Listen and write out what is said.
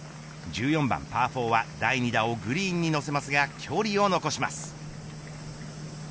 １４番パー４は第２打をグリーンに乗せますが距離を残します。